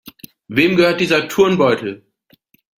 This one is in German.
Wem gehört dieser Turnbeutel?